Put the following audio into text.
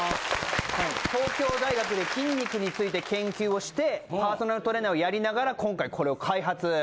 東京大学で筋肉について研究をしてパーソナルトレーナーをやりながら今回これを開発。